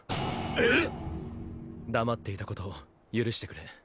ええっ⁉黙っていたこと許してくれ。